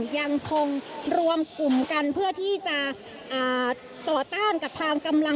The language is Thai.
ยังคงรวมกลุ่มกันเพื่อที่จะต่อต้านกับทางกำลัง